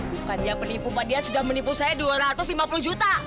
bukan dia penipu pak dia sudah menipu saya dua ratus lima puluh juta